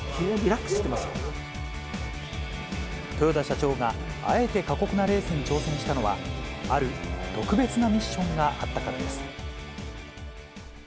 豊田社長があえて過酷なレースに挑戦したのは、ある特別なミッションがあったからです。